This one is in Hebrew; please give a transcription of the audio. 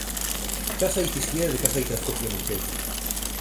ככה היא תחיה וככה היא תהפוך למוקד